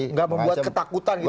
nggak membuat ketakutan gitu